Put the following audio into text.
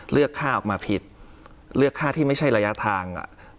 เลือกค่าออกมาผิดเลือกค่าที่ไม่ใช่ระยะทาง